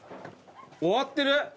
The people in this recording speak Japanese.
終わってる。